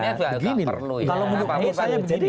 maksudnya juga gak perlu ya